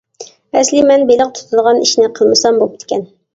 ئەسلى مەن بېلىق تۇتىدىغان ئىشنى قىلمىسام بوپتىكەن.